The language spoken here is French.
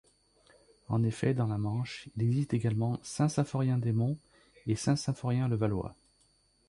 En effet, dans la Manche, il existe également Saint-Symphorien-des-Monts et Saint-Symphorien-le-Valois.